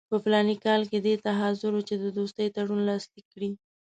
په فلاني کال کې دې ته حاضر وو چې د دوستۍ تړون لاسلیک کړي.